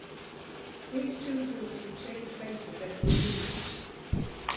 These two groups would change places every week.